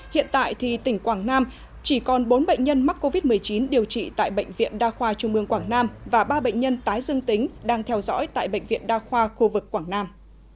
hiện tại thì tỉnh quảng nam chỉ còn bốn bệnh nhân mắc covid một mươi chín điều trị tại bệnh viện đa khoa trung ương quảng nam và ba bệnh nhân tái dương tính đang theo dõi tại bệnh viện đa khoa khu vực quảng nam